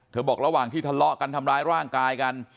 บอกระหว่างที่ทะเลาะกันทำร้ายร่างกายกัน